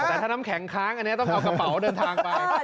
แต่ถ้าน้ำแข็งค้างอันนี้ต้องเอากระเป๋าเดินทางไป